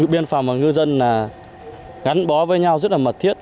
biên phòng và ngư dân gắn bó với nhau rất là mật thiết